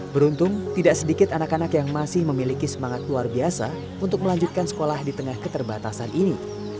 beruntung tidak sedikit anak anak yang masih memiliki semangat luar biasa untuk melanjutkan sekolah di tengah keterbatasan ini